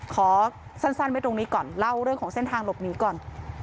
ขอสั้นไว้ตรงนี้ก่อนเล่าเรื่องของเส้นทางหลบหนีก่อน